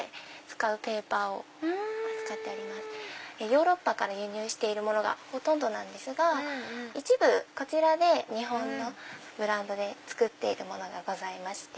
ヨーロッパから輸入してるものがほとんどなんですが一部こちらで日本のブランドで作っているものがございまして。